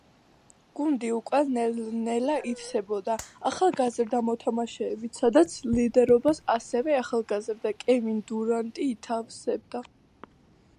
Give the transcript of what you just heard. გუნდი უკვე ნელ-ნელა ივსებოდა ახალგაზრდა მოთამაშეებით, სადაც ლიდერობას ასევე ახალგაზრდა კევინ დურანტი ითავსებდა.